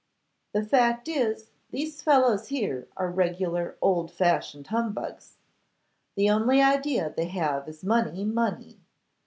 'The fact is, these fellows here are regular old fashioned humbugs. The only idea they have is money, money.